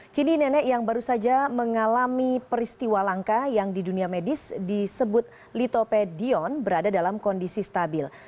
kini nenek yang baru saja mengalami peristiwa langka yang di dunia medis disebut litopedion berada dalam kondisi stabil